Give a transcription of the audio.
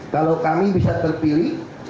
kalau kami bisa terpilih